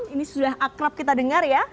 ini sudah akrab kita dengar ya